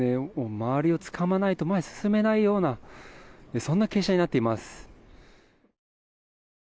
周りをつかまないと前に進めないようなそんな傾斜になっています。